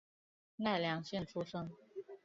奈良县出身。